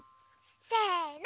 せの！